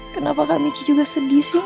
kenapa kang michi juga sedih sih